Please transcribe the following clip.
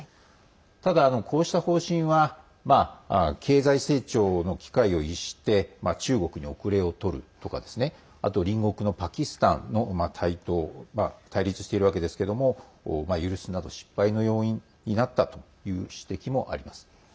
ただ、こうした方針は経済成長の機会を逸して中国に後れを取るですとかあと、隣国のパキスタンの対立を台頭を許すなど失敗の要因になったという指摘もあります。